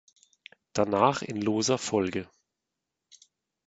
Danach in loser Folge.